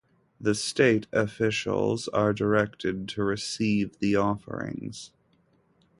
The state officials are directed to receive the offerings.